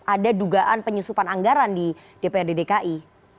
ada dugaan penyusupan anggaran di dprd dki